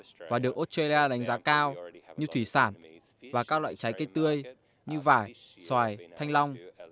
nhiều mặt hàng nông nghiệp australia đánh giá cao như thủy sản và các loại trái cây tươi như vải xoài thanh long